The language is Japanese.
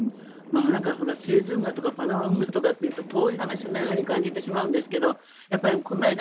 スエズ運河とかパナマ運河とかいうと遠い話のように感じてしまうんですこの間